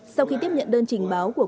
sau khi tiếp nhận đơn trình báo của quốc gia